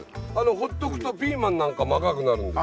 ほっとくとピーマンなんかも赤くなる。